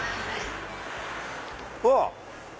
うわっ！